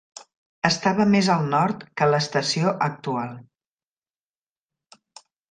Estava més al nord que l'estació actual.